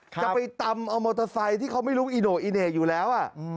จะไปตำเอามอเตอร์ไซค์ที่เขาไม่รู้อีโน่อีเหน่อยู่แล้ว